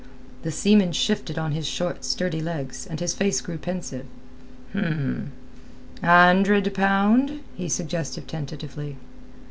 The seaman shifted on his short, sturdy legs, and his face grew pensive. "A hundred pound?" he suggested tentatively.